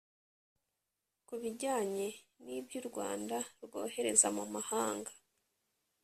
Ku bijyanye n’ibyo u Rwanda rwohereza mu mahanga